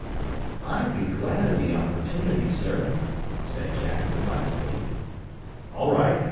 "I'd be glad of the opportunity, sir," said Jack, delightedly. "All right.